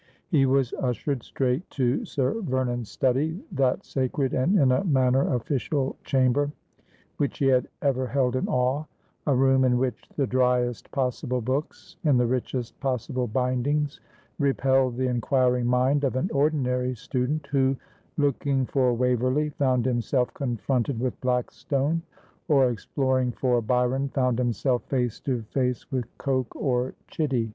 He was ushered straight to Kir Vernon's study, that sacred, and in a manner official chamber, which he had ever held in awe ; 240 a room in which the driest possible books, in the richest possible bindings, repelled the inquiring mind of an ordinary student, who, looking for Waverley, found himself confronted with Black stone, or exploring for Byron, found himself face to face with Coke or Chitty.